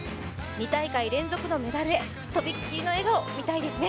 ２大会連続のメダルへとびっきりの笑顔、見たいですね。